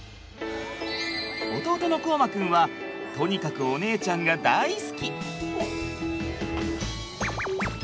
弟の凰真くんはとにかくお姉ちゃんが大好き。